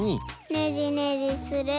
ねじねじすれば。